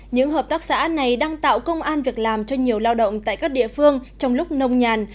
những hợp tác xã này đang tạo công an việc làm cho nhiều lao động tại các địa phương trong lúc nông nhàn